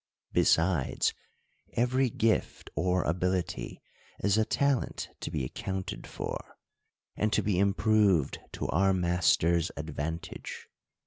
Be sides, every gift or ability is a talent to be accounted for, and to be improved to our Master's advantage.